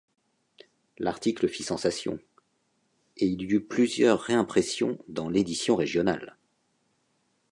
L'article fit sensation, et il y eut plusieurs réimpressions dans l'édition régionale.